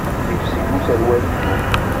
Yebzeg userwal-inu.